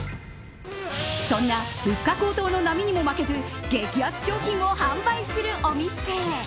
そんな物価高騰の波にも負けず激安商品を販売するお店。